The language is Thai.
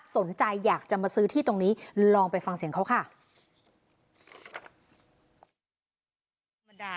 สนใจอยากจะมาซื้อที่ตรงนี้ลองไปฟังเสียงเขาค่ะ